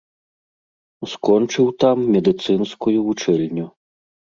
Скончыў там медыцынскую вучэльню.